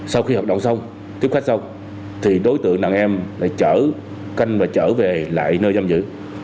sau khi hợp đồng xong tiếp khách xong thì đối tượng nạn em lại chở canh và chở về lại nơi giam giữ